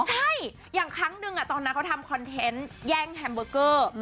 ใช่อย่างครั้งหนึ่งตอนนั้นเขาทำคอนเทนต์แย่งแฮมเบอร์เกอร์